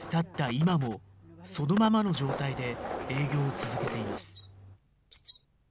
今も、そのままの状態で営業を続けています。